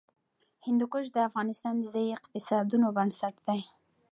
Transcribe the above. هندوکش د افغانستان د ځایي اقتصادونو بنسټ دی.